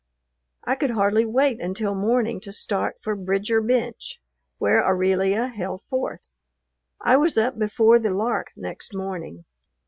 I could hardly wait until morning to start for Bridger Bench, where Aurelia held forth. I was up before the lark next morning.